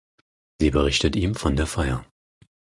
Sie berichtet ihm von der Feier.